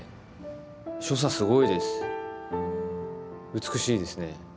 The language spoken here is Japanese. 美しいですね。